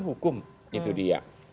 hukum itu dia